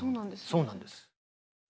そうなんです。